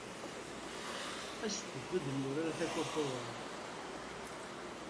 Aset-d ad nurar takurt n uḍar!